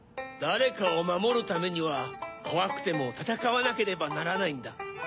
だれかをまもるためにはこわくてもたたかわなければならないんだ。